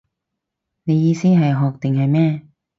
你意思係學定係咩